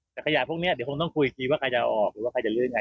แต่ขยะพวกนี้เดี๋ยวคงต้องคุยอีกทีว่าใครจะออกหรือว่าใครจะลื้อยังไง